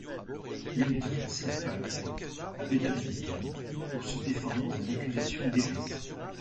L'une est adressée à Farrizio, abbé d'Abingdon, pour se défendre d'une accusation d'hérésie.